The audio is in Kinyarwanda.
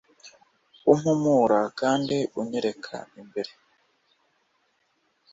umpumura kandi unyereka imbere